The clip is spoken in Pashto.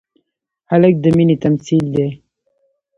هلک د مینې تمثیل دی.